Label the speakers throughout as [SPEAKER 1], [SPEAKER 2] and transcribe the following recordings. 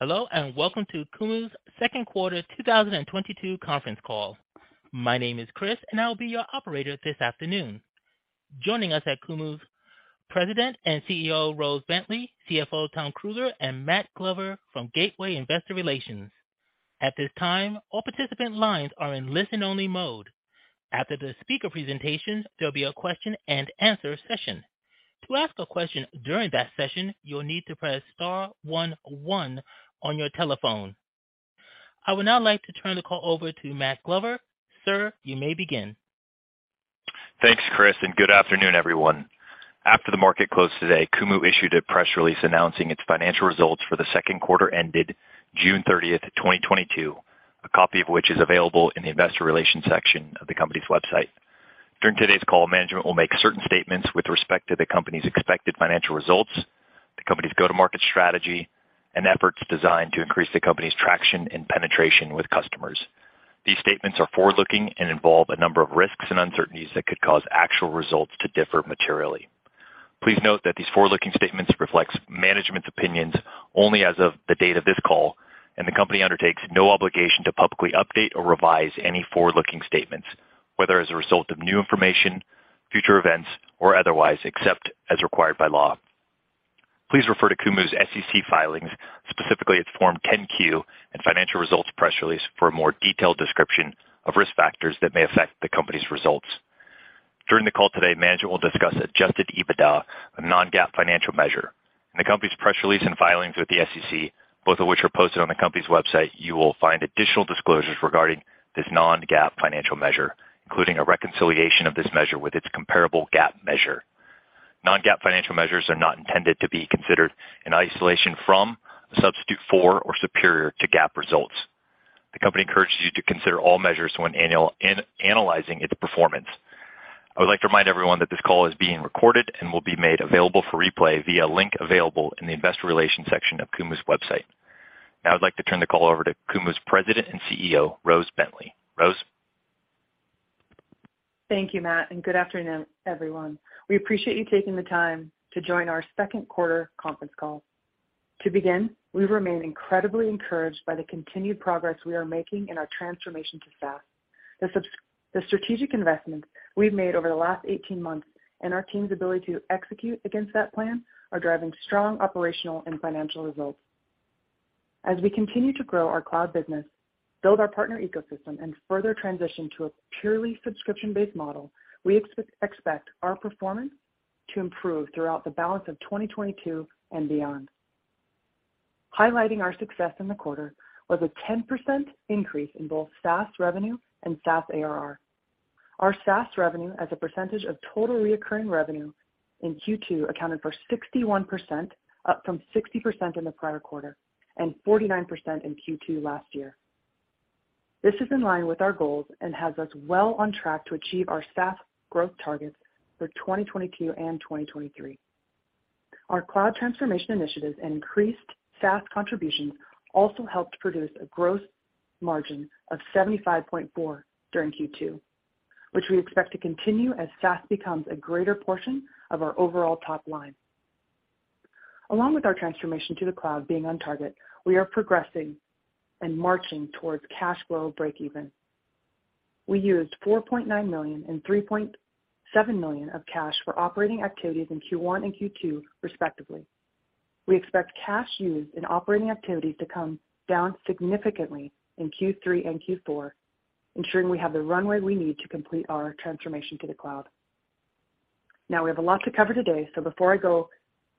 [SPEAKER 1] Hello, and welcome to Qumu's Second Quarter 2022 Conference Call. My name is Chris, and I'll be your operator this afternoon. Joining us are Qumu's President and CEO, Rose Bentley, CFO, Tom Krueger, and Matt Glover from Gateway Investor Relations. At this time, all participant lines are in listen-only mode. After the speaker presentations, there'll be a question and answer session. To ask a question during that session, you will need to press star one one on your telephone. I would now like to turn the call over to Matt Glover. Sir, you may begin.
[SPEAKER 2] Thanks, Chris, and good afternoon, everyone. After the market closed today, Qumu issued a press release announcing its financial results for the second quarter ended June 30, 2022. A copy of which is available in the investor relations section of the company's website. During today's call, management will make certain statements with respect to the company's expected financial results, the company's go-to-market strategy, and efforts designed to increase the company's traction and penetration with customers. These statements are forward-looking and involve a number of risks and uncertainties that could cause actual results to differ materially. Please note that these forward-looking statements reflects management's opinions only as of the date of this call, and the company undertakes no obligation to publicly update or revise any forward-looking statements, whether as a result of new information, future events, or otherwise, except as required by law. Please refer to Qumu's SEC filings, specifically its Form 10-Q and financial results press release for a more detailed description of risk factors that may affect the company's results. During the call today, management will discuss Adjusted EBITDA, a non-GAAP financial measure. In the company's press release and filings with the SEC, both of which are posted on the company's website, you will find additional disclosures regarding this non-GAAP financial measure, including a reconciliation of this measure with its comparable GAAP measure. Non-GAAP financial measures are not intended to be considered in isolation or as a substitute for or superior to GAAP results. The company encourages you to consider all measures in analyzing its performance. I would like to remind everyone that this call is being recorded and will be made available for replay via a link available in the investor relations section of Qumu's website. Now I'd like to turn the call over to Qumu's President and CEO, Rose Bentley. Rose.
[SPEAKER 3] Thank you, Matt, and good afternoon, everyone. We appreciate you taking the time to join our second quarter conference call. To begin, we remain incredibly encouraged by the continued progress we are making in our transformation to SaaS. The strategic investments we've made over the last 18 months and our team's ability to execute against that plan are driving strong operational and financial results. As we continue to grow our cloud business, build our partner ecosystem, and further transition to a purely subscription-based model, we expect our performance to improve throughout the balance of 2022 and beyond. Highlighting our success in the quarter was a 10% increase in both SaaS revenue and SaaS ARR. Our SaaS revenue as a percentage of total recurring revenue in Q2 accounted for 61%, up from 60% in the prior quarter, and 49% in Q2 last year. This is in line with our goals and has us well on track to achieve our SaaS growth targets for 2022 and 2023. Our cloud transformation initiatives and increased SaaS contributions also helped produce a growth margin of 75.4% during Q2, which we expect to continue as SaaS becomes a greater portion of our overall top line. Along with our transformation to the cloud being on target, we are progressing and marching towards cash flow breakeven. We used $4.9 million and $3.7 million of cash for operating activities in Q1 and Q2 respectively. We expect cash used in operating activities to come down significantly in Q3 and Q4, ensuring we have the runway we need to complete our transformation to the cloud. Now, we have a lot to cover today, so before I go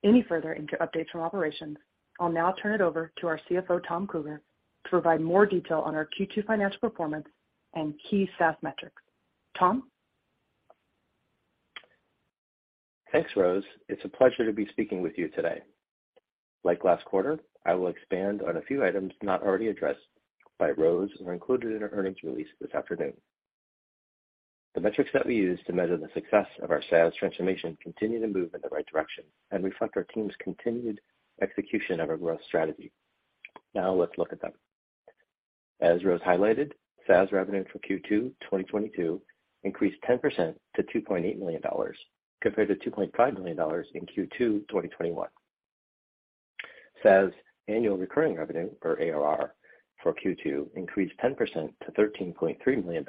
[SPEAKER 3] any further into updates from operations, I'll now turn it over to our CFO, Tom Krueger, to provide more detail on our Q2 financial performance and key SaaS metrics. Tom?
[SPEAKER 4] Thanks, Rose. It's a pleasure to be speaking with you today. Like last quarter, I will expand on a few items not already addressed by Rose or included in our earnings release this afternoon. The metrics that we use to measure the success of our SaaS transformation continue to move in the right direction and reflect our team's continued execution of our growth strategy. Now let's look at them. As Rose highlighted, SaaS revenue for Q2 2022 increased 10%-$2.8 million compared to $2.5 million in Q2 2021. SaaS annual recurring revenue or ARR for Q2 increased 10%-$13.3 million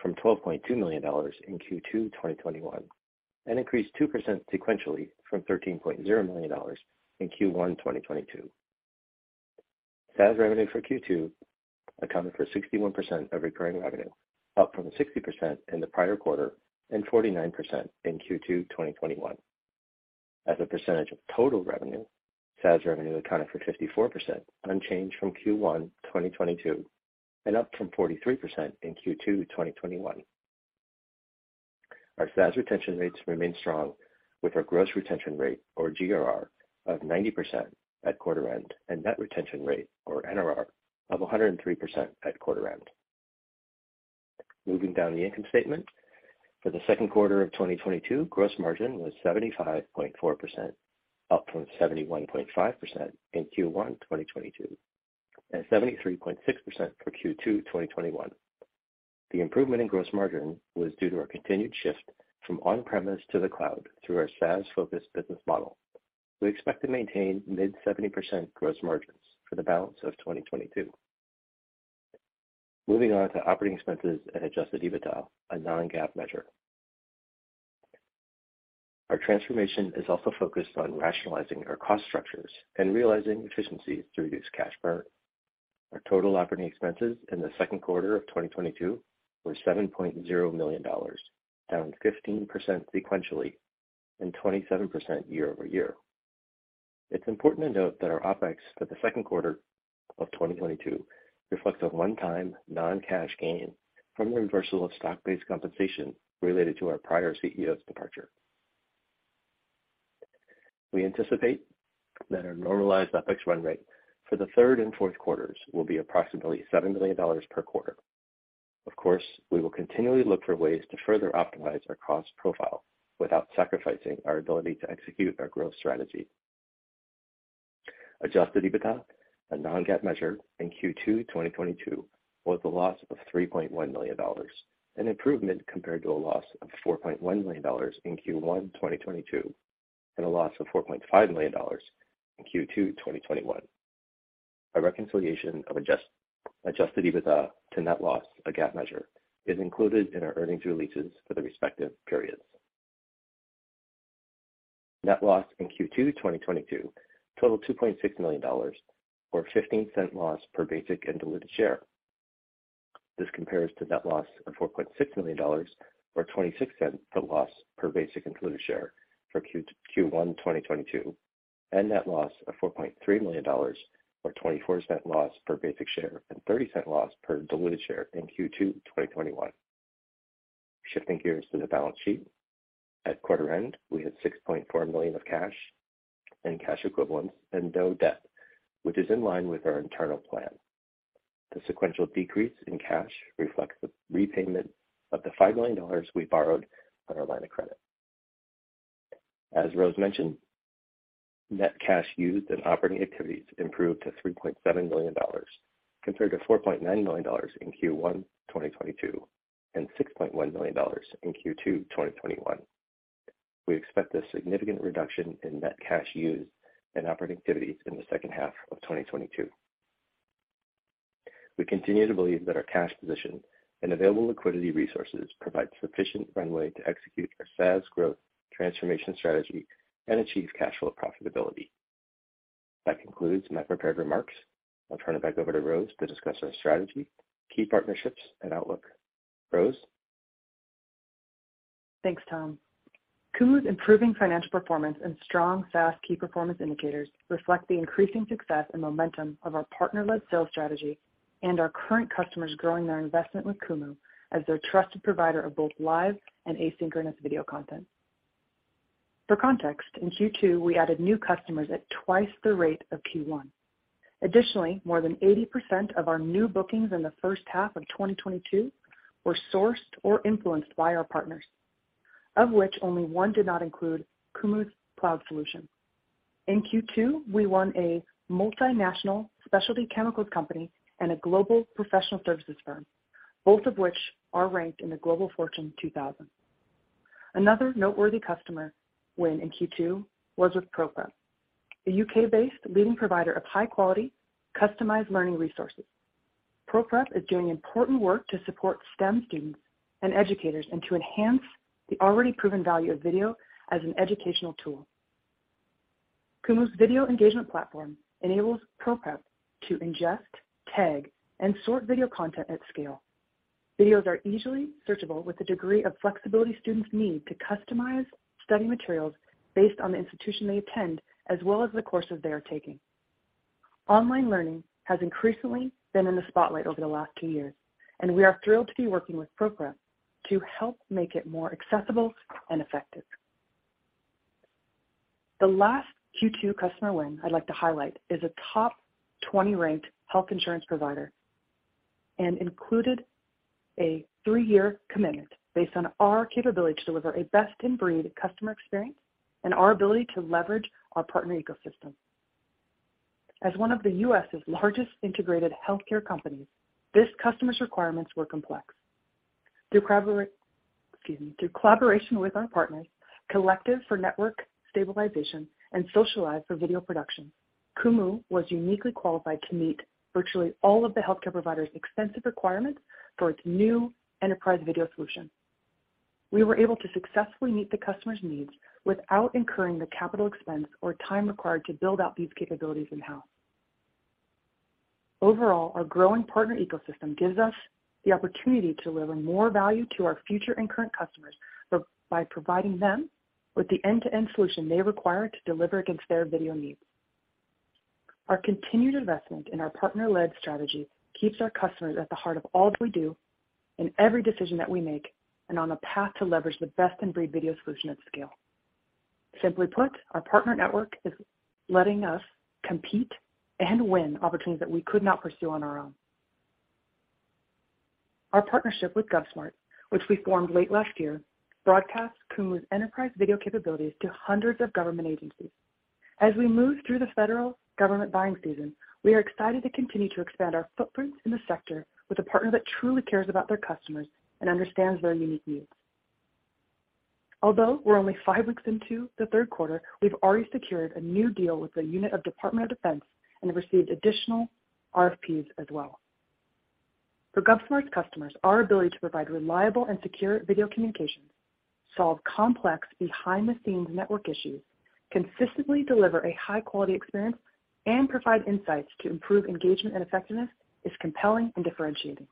[SPEAKER 4] from $12.2 million in Q2 2021, and increased 2% sequentially from $13.0 million in Q1 2022. SaaS revenue for Q2 accounted for 61% of recurring revenue, up from 60% in the prior quarter and 49% in Q2 2021. As a percentage of total revenue, SaaS revenue accounted for 54%, unchanged from Q1 2022 and up from 43% in Q2 2021. Our SaaS retention rates remain strong with our gross retention rate or GRR of 90% at quarter end, and net retention rate or NRR of 103% at quarter end. Moving down the income statement. For the second quarter of 2022, gross margin was 75.4%, up from 71.5% in Q1 2022 and 73.6% for Q2 2021. The improvement in gross margin was due to our continued shift from on-premise to the cloud through our SaaS-focused business model. We expect to maintain mid-70% gross margins for the balance of 2022. Moving on to operating expenses and Adjusted EBITDA, a non-GAAP measure. Our transformation is also focused on rationalizing our cost structures and realizing efficiencies to reduce cash burn. Our total operating expenses in the second quarter of 2022 were $7.0 million, down 15% sequentially and 27% year-over-year. It's important to note that our OPEX for the second quarter of 2022 reflects a one-time non-cash gain from the reversal of stock-based compensation related to our prior CEO's departure. We anticipate that our normalized OPEX run rate for the third and fourth quarters will be approximately $7 million per quarter. Of course, we will continually look for ways to further optimize our cost profile without sacrificing our ability to execute our growth strategy. Adjusted EBITDA, a non-GAAP measure, in Q2 2022 was a loss of $3.1 million, an improvement compared to a loss of $4.1 million in Q1 2022, and a loss of $4.5 million in Q2 2021. A reconciliation of Adjusted EBITDA to net loss, a GAAP measure, is included in our earnings releases for the respective periods. Net loss in Q2 2022 totaled $2.6 million or $0.15 loss per basic and diluted share. This compares to net loss of $4.6 million or $0.26 loss per basic and diluted share for Q1 2022, and net loss of $4.3 million or $0.24 loss per basic share and $0.30 loss per diluted share in Q2 2021. Shifting gears to the balance sheet. At quarter end, we had $6.4 million in cash and cash equivalents and no debt, which is in line with our internal plan. The sequential decrease in cash reflects the repayment of the $5 million we borrowed on our line of credit. As Rose mentioned, net cash used in operating activities improved to $3.7 million, compared to $4.9 million in Q1 2022, and $6.1 million in Q2 2021. We expect a significant reduction in net cash used in operating activities in the second half of 2022. We continue to believe that our cash position and available liquidity resources provide sufficient runway to execute our SaaS growth transformation strategy and achieve cash flow profitability. That concludes my prepared remarks. I'll turn it back over to Rose to discuss our strategy, key partnerships and outlook. Rose?
[SPEAKER 3] Thanks, Tom. Qumu's improving financial performance and strong SaaS key performance indicators reflect the increasing success and momentum of our partner-led sales strategy and our current customers growing their investment with Qumu as their trusted provider of both live and asynchronous video content. For context, in Q2, we added new customers at twice the rate of Q1. Additionally, more than 80% of our new bookings in the first half of 2022 were sourced or influenced by our partners, of which only one did not include Qumu's cloud solution. In Q2, we won a multinational specialty chemicals company and a global professional services firm, both of which are ranked in the Forbes Global 2000. Another noteworthy customer win in Q2 was with Proprep, a UK-based leading provider of high-quality, customized learning resources. Proprep is doing important work to support STEM students and educators, and to enhance the already proven value of video as an educational tool. Qumu's video engagement platform enables Proprep to ingest, tag, and sort video content at scale. Videos are easily searchable with the degree of flexibility students need to customize study materials based on the institution they attend, as well as the courses they are taking. Online learning has increasingly been in the spotlight over the last two years, and we are thrilled to be working with Proprep to help make it more accessible and effective. The last Q2 customer win I'd like to highlight is a top 20-ranked health insurance provider and included a three-year commitment based on our capability to deliver a best-in-breed customer experience and our ability to leverage our partner ecosystem. As one of the U.S.'s largest integrated healthcare companies, this customer's requirements were complex. Through collaboration with our partners, Kollective for network stabilization and Socialive for video production, Qumu was uniquely qualified to meet virtually all of the healthcare provider's extensive requirements for its new enterprise video solution. We were able to successfully meet the customer's needs without incurring the capital expense or time required to build out these capabilities in-house. Overall, our growing partner ecosystem gives us the opportunity to deliver more value to our future and current customers by providing them with the end-to-end solution they require to deliver against their video needs. Our continued investment in our partner-led strategy keeps our customers at the heart of all that we do in every decision that we make and on a path to leverage the best-in-breed video solution at scale. Simply put, our partner network is letting us compete and win opportunities that we could not pursue on our own. Our partnership with GovSmart, which we formed late last year, broadcasts Qumu's enterprise video capabilities to hundreds of government agencies. As we move through the federal government buying season, we are excited to continue to expand our footprint in the sector with a partner that truly cares about their customers and understands their unique needs. Although we're only five weeks into the third quarter, we've already secured a new deal with a unit of Department of Defense and have received additional RFPs as well. For GovSmart's customers, our ability to provide reliable and secure video communications, solve complex behind-the-scenes network issues, consistently deliver a high-quality experience, and provide insights to improve engagement and effectiveness is compelling and differentiating.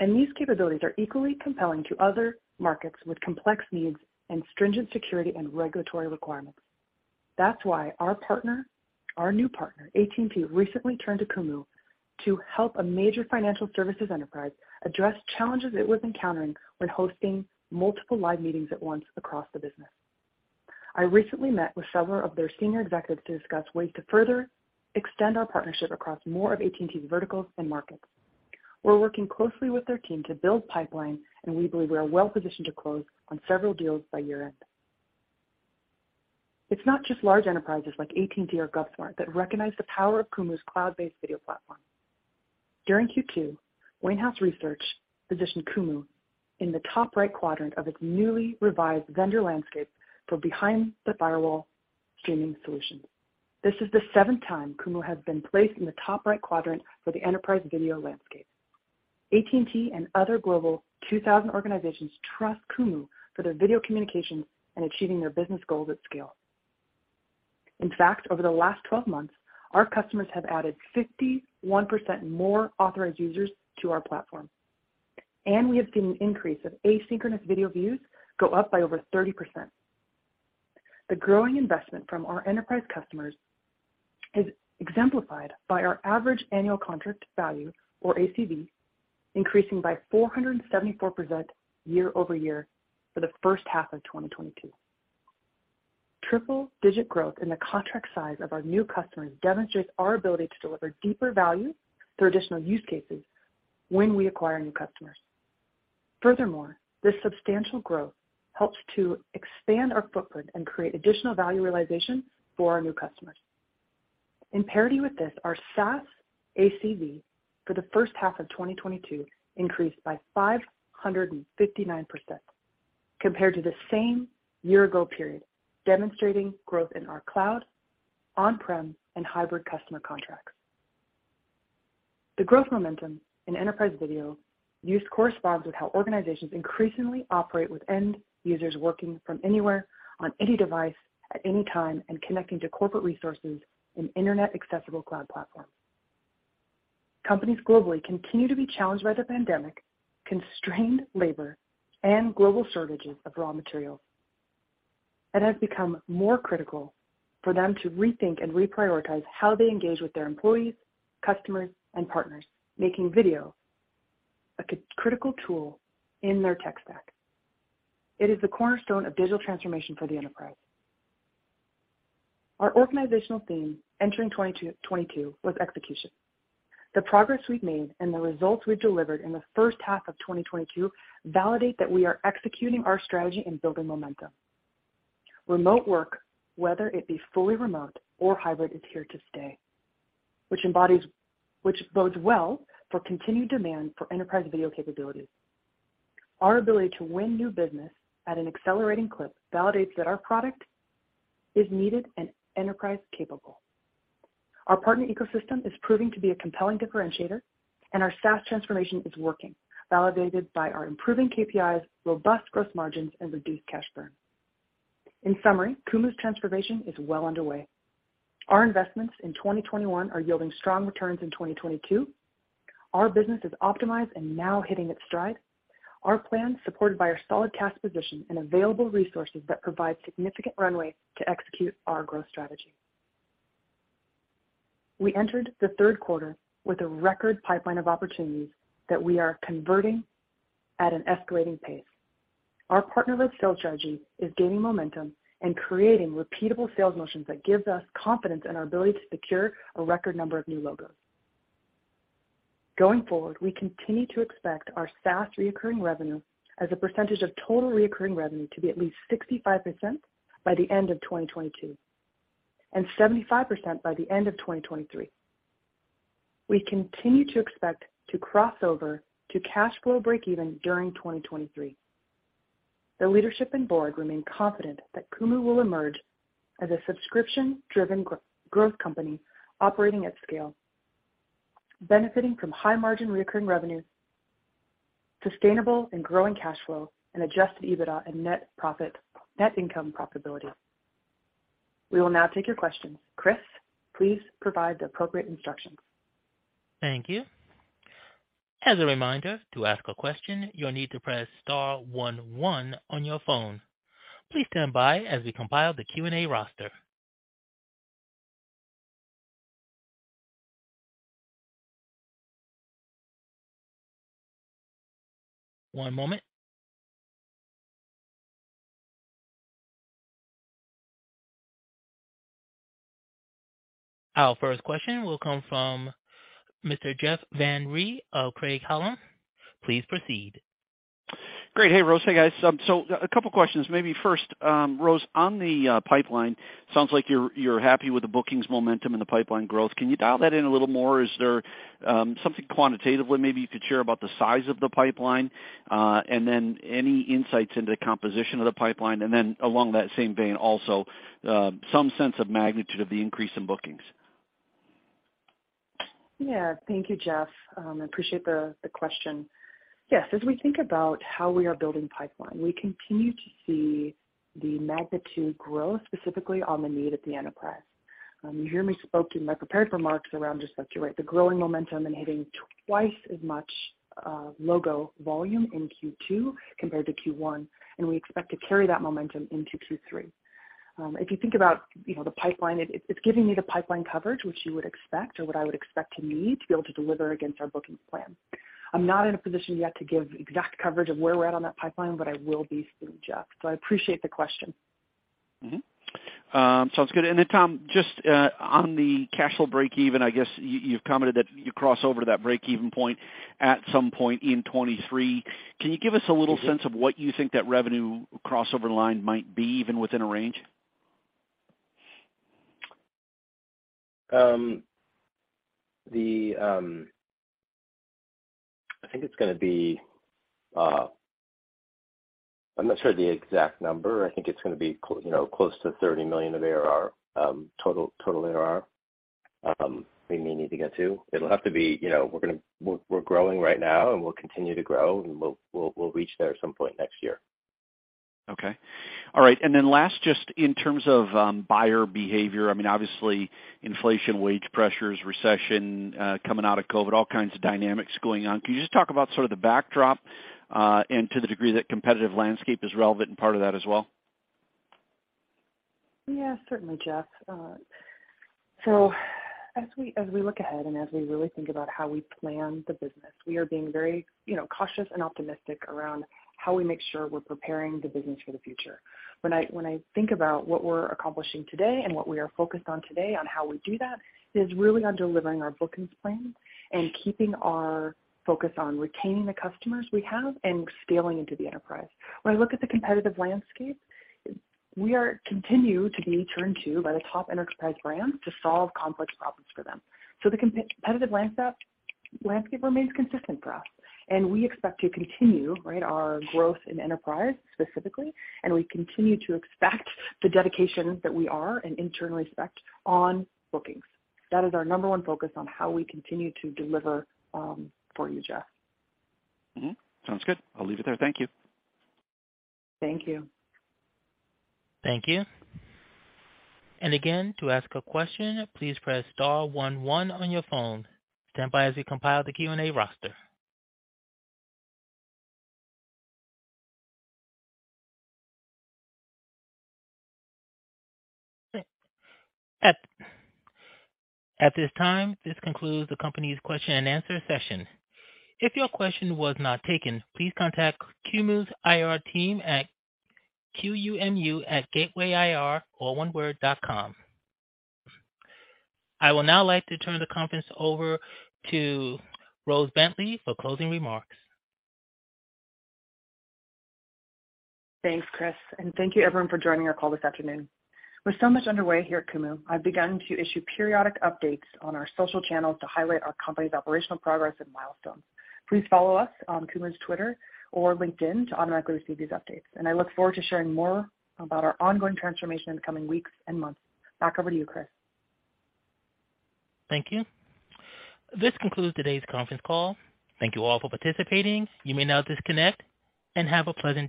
[SPEAKER 3] These capabilities are equally compelling to other markets with complex needs and stringent security and regulatory requirements. That's why our partner, our new partner, AT&T, recently turned to Qumu to help a major financial services enterprise address challenges it was encountering when hosting multiple live meetings at once across the business. I recently met with several of their senior executives to discuss ways to further extend our partnership across more of AT&T's verticals and markets. We're working closely with their team to build pipeline, and we believe we are well-positioned to close on several deals by year-end. It's not just large enterprises like AT&T or GovSmart that recognize the power of Qumu's cloud-based video platform. During Q2, Wainhouse Research positioned Qumu in the top right quadrant of its newly revised vendor landscape for behind-the-firewall streaming solutions. This is the seventh time Qumu has been placed in the top right quadrant for the enterprise video landscape. AT&T and other Forbes Global 2000 organizations trust Qumu for their video communications and achieving their business goals at scale. In fact, over the last 12 months, our customers have added 51% more authorized users to our platform, and we have seen an increase of asynchronous video views go up by over 30%. The growing investment from our enterprise customers is exemplified by our average annual contract value, or ACV, increasing by 474% year-over-year for the first half of 2022. Triple-digit growth in the contract size of our new customers demonstrates our ability to deliver deeper value through additional use cases when we acquire new customers. Furthermore, this substantial growth helps to expand our footprint and create additional value realization for our new customers. In parity with this, our SaaS ACV for the first half of 2022 increased by 559% compared to the same year ago period, demonstrating growth in our cloud, on-prem, and hybrid customer contracts. The growth momentum in enterprise video use corresponds with how organizations increasingly operate with end users working from anywhere on any device at any time and connecting to corporate resources in internet-accessible cloud platforms. Companies globally continue to be challenged by the pandemic, constrained labor, and global shortages of raw materials. It has become more critical for them to rethink and reprioritize how they engage with their employees, customers, and partners, making video a critical tool in their tech stack. It is the cornerstone of digital transformation for the enterprise. Our organizational theme entering 2022 was execution. The progress we've made and the results we delivered in the first half of 2022 validate that we are executing our strategy and building momentum. Remote work, whether it be fully remote or hybrid, is here to stay, which bodes well for continued demand for enterprise video capabilities. Our ability to win new business at an accelerating clip validates that our product is needed and enterprise capable. Our partner ecosystem is proving to be a compelling differentiator, and our SaaS transformation is working, validated by our improving KPIs, robust gross margins, and reduced cash burn. In summary, Qumu's transformation is well underway. Our investments in 2021 are yielding strong returns in 2022. Our business is optimized and now hitting its stride. Our plan, supported by our solid cash position and available resources that provide significant runway to execute our growth strategy. We entered the third quarter with a record pipeline of opportunities that we are converting at an escalating pace. Our partner-led sales strategy is gaining momentum and creating repeatable sales motions that gives us confidence in our ability to secure a record number of new logos. Going forward, we continue to expect our SaaS recurring revenue as a percentage of total recurring revenue to be at least 65% by the end of 2022 and 75% by the end of 2023. We continue to expect to cross over to cash flow breakeven during 2023. The leadership and board remain confident that Qumu will emerge as a subscription-driven growth company operating at scale, benefiting from high margin recurring revenue, sustainable and growing cash flow, and Adjusted EBITDA and net income profitability. We will now take your questions. Chris, please provide the appropriate instructions.
[SPEAKER 1] Thank you. As a reminder, to ask a question, you'll need to press star one one on your phone. Please stand by as we compile the Q&A roster. One moment. Our first question will come from Mr. Jeff Van Rhee of Craig-Hallum. Please proceed.
[SPEAKER 5] Great. Hey, Rose. Hey, guys. A couple questions. Maybe first, Rose, on the pipeline, sounds like you're happy with the bookings momentum and the pipeline growth. Can you dial that in a little more? Is there something quantitatively maybe you could share about the size of the pipeline, and then any insights into the composition of the pipeline? Along that same vein also, some sense of magnitude of the increase in bookings.
[SPEAKER 3] Yeah. Thank you, Jeff. I appreciate the question. Yes, as we think about how we are building pipeline, we continue to see the magnitude grow, specifically on the need of the enterprise. You hear me spoke in my prepared remarks around just that, you're right, the growing momentum and hitting twice as much logo volume in Q2 compared to Q1, and we expect to carry that momentum into Q3. If you think about, you know, the pipeline, it's giving me the pipeline coverage which you would expect or what I would expect to need to be able to deliver against our bookings plan. I'm not in a position yet to give exact coverage of where we're at on that pipeline, but I will be soon, Jeff. I appreciate the question.
[SPEAKER 5] Sounds good. Tom, just on the cash flow breakeven, I guess you've commented that you cross over to that breakeven point at some point in 2023. Can you give us a little sense of what you think that revenue crossover line might be, even within a range?
[SPEAKER 4] I think it's gonna be, I'm not sure the exact number. I think it's gonna be you know, close to $30 million of ARR, total ARR, we may need to get to. It'll have to be, you know, we're growing right now and we'll continue to grow, and we'll reach there at some point next year.
[SPEAKER 5] Okay. All right. Last, just in terms of buyer behavior, I mean, obviously inflation, wage pressures, recession, coming out of COVID, all kinds of dynamics going on. Can you just talk about sort of the backdrop, and to the degree that competitive landscape is relevant and part of that as well?
[SPEAKER 3] Yeah, certainly, Jeff. So as we look ahead and as we really think about how we plan the business, we are being very, you know, cautious and optimistic around how we make sure we're preparing the business for the future. When I think about what we're accomplishing today and what we are focused on today on how we do that, is really on delivering our bookings plan and keeping our focus on retaining the customers we have and scaling into the enterprise. When I look at the competitive landscape, we continue to be turned to by the top enterprise brands to solve complex problems for them. So the competitive landscape remains consistent for us, and we expect to continue, right, our growth in enterprise specifically, and we continue to expect the dedication that we are and internally expect on bookings. That is our number one focus on how we continue to deliver for you, Jeff.
[SPEAKER 5] Mm-hmm. Sounds good. I'll leave it there. Thank you.
[SPEAKER 3] Thank you.
[SPEAKER 1] Thank you. Again, to ask a question, please press star one one on your phone. Stand by as we compile the Q&A roster. At this time, this concludes the company's question and answer session. If your question was not taken, please contact Qumu's IR team at QUMU@gatewayir.com, all one word, dot com. I would now like to turn the conference over to Rose Bentley for closing remarks.
[SPEAKER 3] Thanks, Chris, and thank you everyone for joining our call this afternoon. With so much underway here at Qumu, I've begun to issue periodic updates on our social channels to highlight our company's operational progress and milestones. Please follow us on Qumu's X or LinkedIn to automatically receive these updates. I look forward to sharing more about our ongoing transformation in the coming weeks and months. Back over to you, Chris.
[SPEAKER 1] Thank you. This concludes today's conference call. Thank you all for participating. You may now disconnect and have a pleasant day.